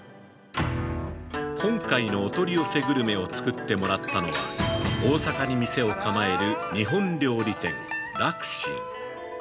今回のお取り寄せグルメを作ってもらったのは、大阪に店を構える、日本料理店「楽心」。